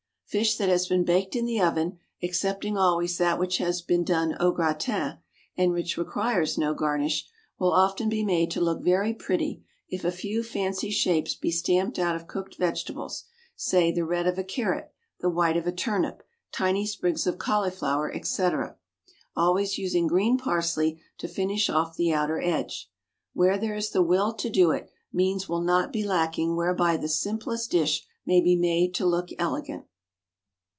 Fish that has been baked in the oven excepting always that which has been done au gratin, and which requires no garnish will often be made to look very pretty if a few fancy shapes be stamped out of cooked vegetables, say the red of a carrot, the white of a turnip, tiny sprigs of cauliflower, &c., always using green parsley to finish off the outer edge. Where there is the will to do it, means will not be lacking whereby the simplest dish may be made to look elegant.